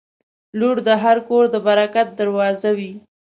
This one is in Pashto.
• لور د هر کور د برکت دروازه وي.